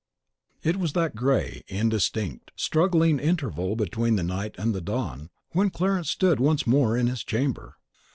It was that grey, indistinct, struggling interval between the night and the dawn, when Clarence stood once more in his chamber.